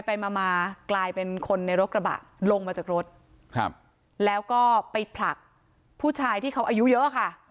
ไปมามากลายเป็นคนในรถกระบะลงมาจากรถครับแล้วก็ไปผลักผู้ชายที่เขาอายุเยอะค่ะ